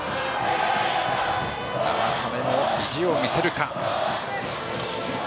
生田目も意地を見せるか。